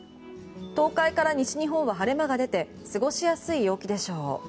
東海から西日本は晴れ間が出て過ごしやすい陽気でしょう。